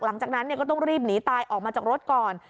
หลังจากนั้นก็ต้องรีบหนีตายออกมาจากรถก่อน